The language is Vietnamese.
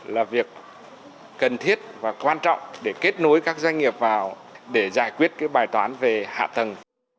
là việc cần thiết và quan trọng để kết nối các doanh nghiệp vào để giải quyết cái bài toán về hạ tầng